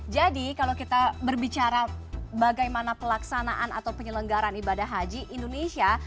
kalau kita berbicara bagaimana pelaksanaan atau penyelenggaran ibadah haji indonesia